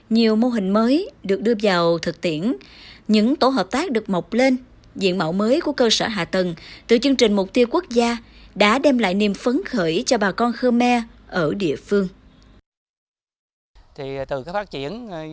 nhiều mô hình mới được đưa vào thực tiễn những tổ hợp tác được mọc lên diện mạo mới của cơ sở hạ tầng từ chương trình mục tiêu quốc gia đã đem lại niềm phấn khởi cho bà con khơ me ở địa phương